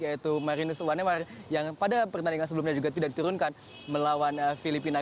yaitu marinus wanewar yang pada pertandingan sebelumnya juga tidak diturunkan melawan filipina